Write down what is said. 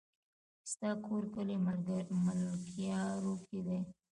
ستا کور کلي ملكيارو کې دی؟